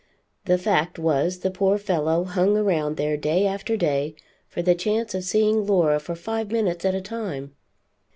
The fact was the poor fellow hung around there day after day for the chance of seeing Laura for five minutes at a time.